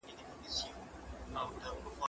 دا سندري له هغه خوږه ده؟!